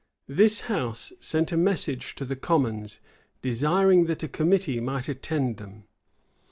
This house sent a message to the commons, desiring that a committee might attend them.